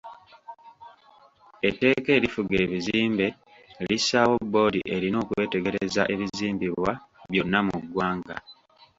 Etteeka erifuga ebizimbe lissaawo bboodi erina okwetegereza ebizimbibwa byonna mu ggwanga.